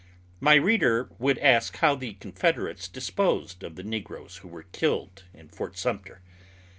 My readers would ask how the Confederates disposed of the negroes who were killed in Fort Sumter.